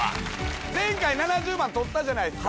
前回７０万取ったじゃないっすか。